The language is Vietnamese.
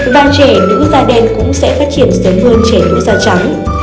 và trẻ nữ da đen cũng sẽ phát triển sớm hơn trẻ nỗi da trắng